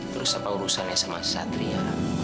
terus apa urusannya sama satria